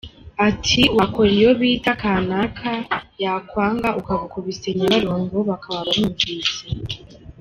Ati “ Wakora iyo bita ‘Kanaka’ yakwanga ukaba ubakubise ‘Nyabarongo’, bakaba barumvise.